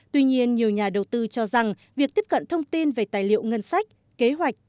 tuy nhiên nhiều nhà đầu tư cho rằng việc tiếp cận thông tin về tài liệu ngân sách kế hoạch